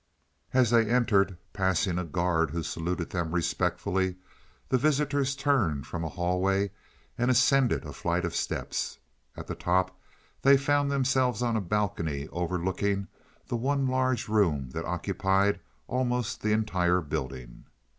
As they entered, passing a guard who saluted them respectfully, the visitors turned from a hallway and ascended a flight of steps. At the top they found themselves on a balcony overlooking the one large room that occupied almost the entire building.